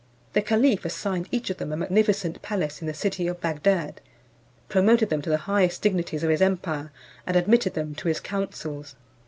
The caliph assigned each of them a magnificent palace in the city of Bagdad, promoted them to the highest dignities of his empire, and admitted them to his councils.